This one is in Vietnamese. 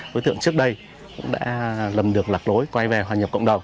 đối tượng trước đây cũng đã lầm được lạc lối quay về hòa nhập cộng đồng